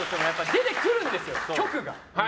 出てくるですよ、局が。